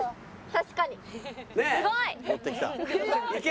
確かに。